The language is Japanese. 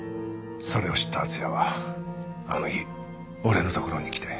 それを知った厚也はあの日俺の所に来て。